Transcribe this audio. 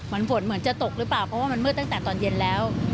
มันฝนเหมือนจะตกหรือเปล่าเพราะว่ามันมืดตั้งแต่ตอนเย็นแล้ว